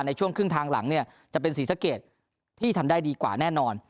ในช่วงครึ่งทางหลังเนี่ยจะเป็นศรีสะเกดที่ทำได้ดีกว่าแน่นอน